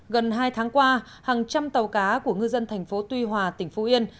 gần hai tháng qua hàng trăm tàu cá của ngư dân thành phố tuy hòa tỉnh phú yên